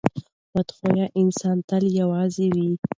بد خویه انسان تل یوازې وي.